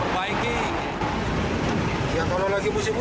kalau lagi musim hujan pasti ada yang jalan